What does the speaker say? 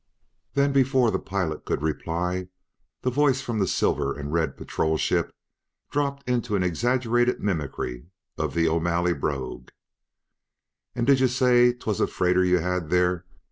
Then, before the pilot could reply, the voice from the silver and red patrol ship dropped into an exaggerated mimicry of the O'Malley brogue "And did yez say 'twas a freighter you had there?